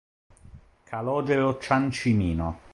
Calogero Ciancimino.